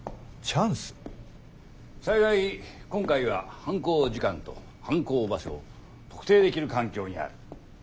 幸い今回は犯行時間と犯行場所を特定できる環境にある。